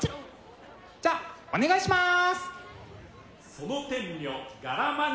じゃあお願いします！